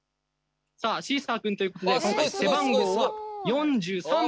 さあシーサー君ということで今回背番号は４３番をもらっています。